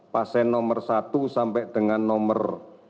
pasien nomor satu sampai dengan nomor